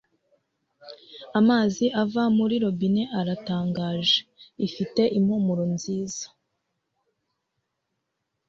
amazi ava muri robine aratangaje. ifite impumuro nziza